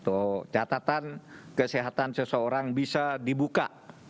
atau catatan kesehatan seseorang bisa dibuka